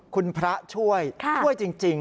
คุณพระช่วยช่วยจริง